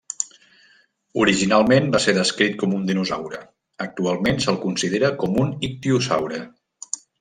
Originalment va ser descrit com un dinosaure, actualment se'l considera com un ictiosaure.